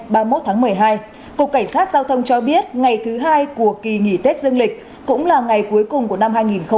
hôm ba mươi một tháng một mươi hai cục cảnh sát giao thông cho biết ngày thứ hai của kỳ nghỉ tết dương lịch cũng là ngày cuối cùng của năm hai nghìn hai mươi